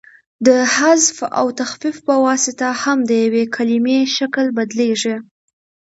د حذف او تخفیف په واسطه هم د یوې کلیمې شکل بدلیږي.